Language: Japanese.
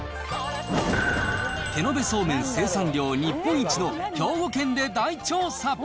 手延べそうめん生産量日本一の兵庫県で大調査。